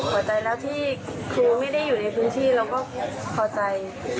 พอใจแล้วที่ครูไม่ได้อยู่ในพื้นที่เราก็พอใจ